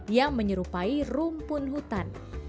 yang menyerupai rumpun hutan